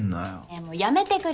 ねえもうやめてくれる？